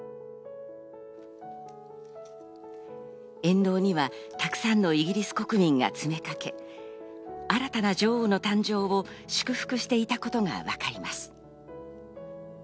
沿道にはたくさんのイギリス国民が詰めかけ、新たな女王の誕生を祝福していたことがわかります。